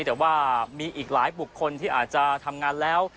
แต่ว่ามีอีกหลายบุคคลที่อาจจะทำงานแล้ว